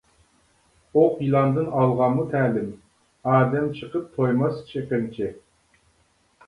ئوق يىلاندىن ئالغانمۇ تەلىم؟ ئادەم چېقىپ تويماس چېقىمچى.